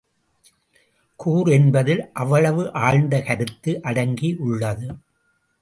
கூர் என்பதில் அவ்வளவு ஆழ்ந்த கருத்து அடங்கி யுள்ளது.